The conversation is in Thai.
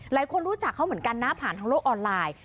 หลายคนรู้จักเขาเหมือนกันนะผ่านทางโลกออนไลน์